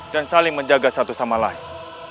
dan saling menjaga satu sama lain